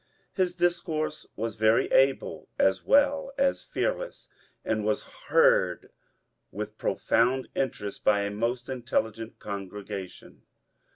His discourse was very able as well as fearless, and was heard with profound interest by a most intelligent congregation.